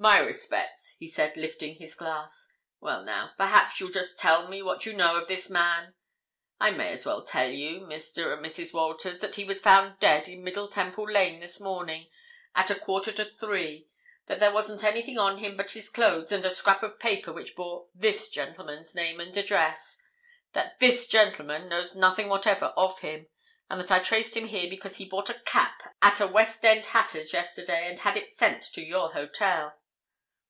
"My respects," he said, lifting his glass. "Well, now, perhaps you'll just tell me what you know of this man? I may as well tell you, Mr. and Mrs. Walters, that he was found dead in Middle Temple Lane this morning, at a quarter to three; that there wasn't anything on him but his clothes and a scrap of paper which bore this gentleman's name and address; that this gentleman knows nothing whatever of him, and that I traced him here because he bought a cap at a West End hatter's yesterday, and had it sent to your hotel."